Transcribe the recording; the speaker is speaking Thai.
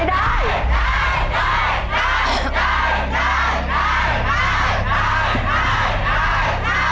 ไม่ได้